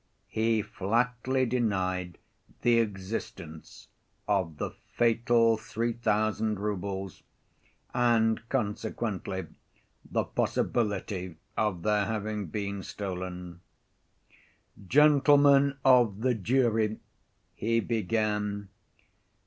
He flatly denied the existence of the fatal three thousand roubles, and consequently, the possibility of their having been stolen. "Gentlemen of the jury," he began.